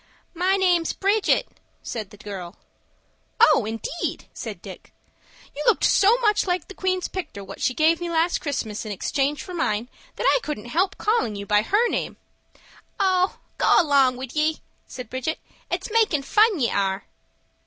"My name's Bridget," said the girl. "Oh, indeed!" said Dick. "You looked so much like the queen's picter what she gave me last Christmas in exchange for mine, that I couldn't help calling you by her name." "Oh, go along wid ye!" said Bridget. "It's makin' fun ye are."